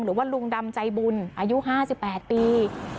หรือว่าลุงดำใจบุญอายุ๕๘ปี